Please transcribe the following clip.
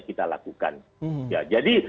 kita lakukan jadi